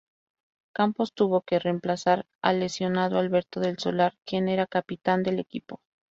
Campos tuvo que reemplazar al lesionado Alberto del Solar, quien era capitán del equipo.